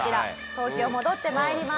東京戻って参ります。